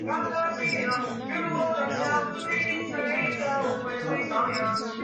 而车路士的英格兰国脚林柏特则承认深受苏拿影响。